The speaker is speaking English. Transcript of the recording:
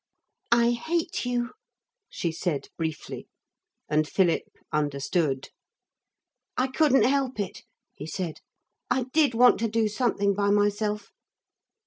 'I hate you,' she said briefly, and Philip understood. 'I couldn't help it,' he said; 'I did want to do something by myself.'